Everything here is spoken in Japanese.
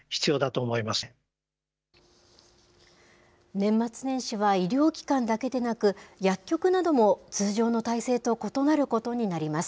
年末年始は医療機関だけでなく、薬局なども通常の体制と異なることになります。